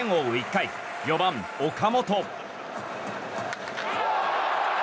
１回４番、岡本。